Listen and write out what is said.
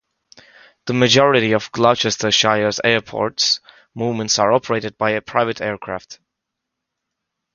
The majority of Gloucestershire Airport's movements are operated by private aircraft.